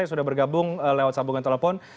yang sudah bergabung lewat sambungan telepon